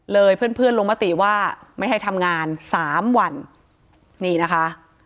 เลยเพื่อนลงมาตีว่าไม่ให้ทำงาน๓วันนี่นะคะ